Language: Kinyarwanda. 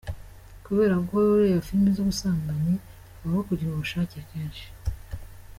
Kubera guhora ureba filimi z’ubusambanyi, habaho kugira ubushake kenshi .